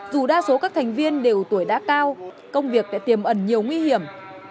dù đa số các thành viên đều tuổi đã cao công việc lại tiềm ẩn nhiều nguy hiểm